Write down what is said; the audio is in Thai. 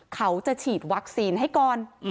เขาจะฉีดวัคซีนให้ก่อน